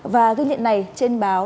và ghi nhận này trên báo